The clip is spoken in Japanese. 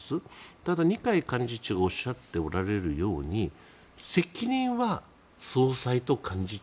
ただ、二階幹事長がおっしゃっておられるように責任は総裁と幹事長。